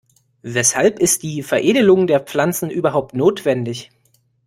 Weshalb ist die Veredelung der Pflanzen überhaupt notwendig?